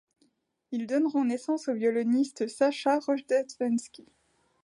Ils donneront naissance au violoniste Sacha Rojdestvenski.